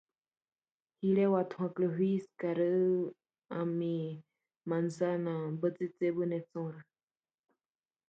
Solo hay manzanas rojas, en la verdulería.